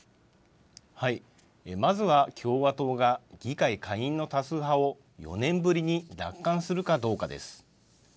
まずは共和党が議会下院の多数派を４年ぶりに奪還するかどうかです。